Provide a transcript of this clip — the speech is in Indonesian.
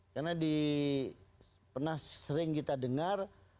karena pernah sering kita dengar